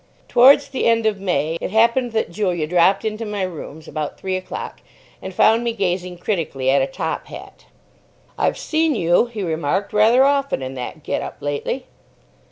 Towards the end of May, it happened that Julian dropped into my rooms about three o'clock, and found me gazing critically at a top hat. "I've seen you," he remarked, "rather often in that get up lately."